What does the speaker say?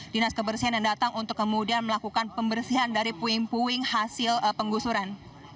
dinas kebersihan yang datang untuk kemudian melakukan pembersihan dari puing puing hasil penggusuran